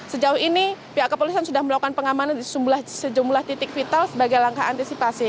sejauh ini pihak kepolisian sudah melakukan pengamanan di sejumlah titik vital sebagai langkah antisipasi